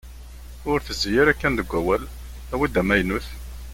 Ur tezzi ara kan deg wawal, awi-d amaynut.